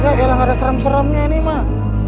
gagalang ada serem seremnya ini mah